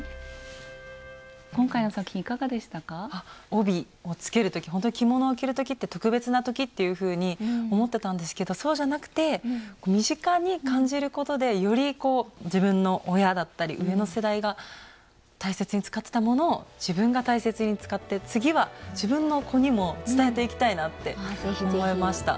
帯をつける時着物を着る時って特別な時っていうふうに思ってたんですけどそうじゃなくて身近に感じることでよりこう自分の親だったり上の世代が大切に使ってたものを自分が大切に使って次は自分の子にも伝えていきたいなって思いました。